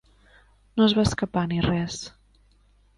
No es va escapar ni res.